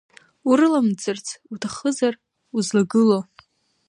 Урыламӡырц уҭахызар узлагылоу…